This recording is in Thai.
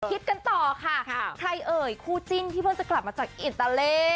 กันต่อค่ะใครเอ่ยคู่จิ้นที่เพิ่งจะกลับมาจากอิตาเล